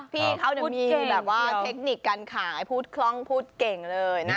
พี่เขามีแบบว่าเทคนิคการขายพูดคล่องพูดเก่งเลยนะ